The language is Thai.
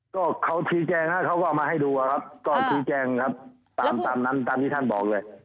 ก็เขาชี้แจงนะเขาก็เอามาให้ดูอะครับก็ชี้แจงครับตามตามนั้นตามที่ท่านบอกเลย